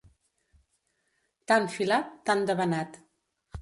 Tant filat, tant debanat.